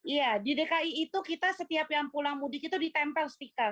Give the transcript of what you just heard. iya di dki itu kita setiap yang pulang mudik itu ditempel stiker